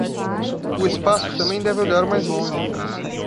O espaço também deve olhar mais longe